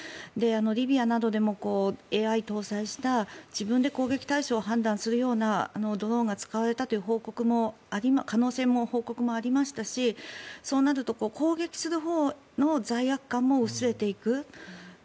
リビアなどでもＡＩを搭載した自分で攻撃対象を判断するようなドローンが使われた可能性という報告もありましたしそうなると攻撃するほうの罪悪感も薄れていく。